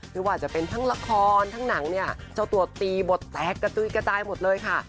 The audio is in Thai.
ไม่ว่าจะเป็นทั้งละครทั้งหนังเนี่ยเจ้าตัวตีบทแตกกระจุยกระจายหมดเลยค่ะ